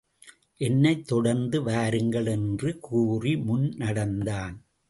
என்னைத் தொடர்ந்து வாருங்கள் என்று கூறி முன் நடந்தான்.